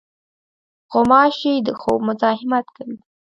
غوماشې د خوب مزاحمت کوي.